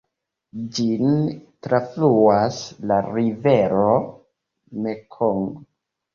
Ĝin trafluas la rivero Mekongo.